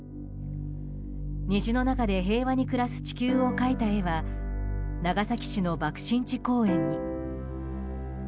虹の中で平和に暮らす地球を描いた絵は長崎市の爆心地公園に。